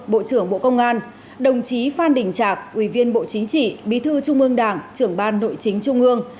bộ trưởng bộ công an đồng chí phan đình trạc ủy viên bộ chính trị bí thư trung ương đảng trưởng ban nội chính trung ương